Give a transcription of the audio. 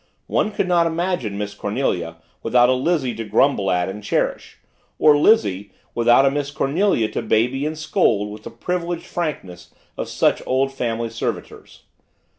One could not imagine Miss Cornelia without a Lizzie to grumble at and cherish or Lizzie without a Miss Cornelia to baby and scold with the privileged frankness of such old family servitors.